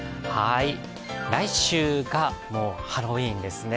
来週がもうハロウィーンですね。